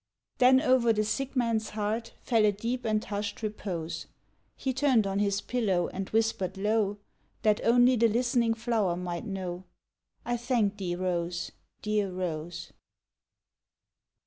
" Then over the sick man's heart Fell a deep and hushed repose. He turned on his pillow and whispered low, That only the listening flower might know :" I thank thee, Rose, dear Rose."